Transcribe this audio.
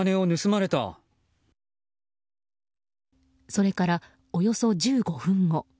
それからおよそ１５分後。